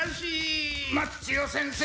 松千代先生